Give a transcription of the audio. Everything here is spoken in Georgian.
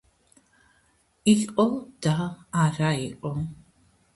იყო და არა იყო